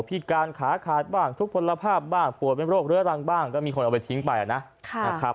พิการขาขาดบ้างทุกผลภาพบ้างปวดเป็นโรคเรื้อรังบ้างก็มีคนเอาไปทิ้งไปนะครับ